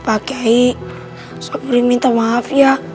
pak kiai minta maaf ya